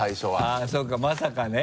あっそうかまさかね。